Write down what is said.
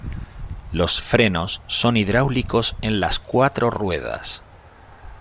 Los frenos son hidráulicos en las cuatro ruedas.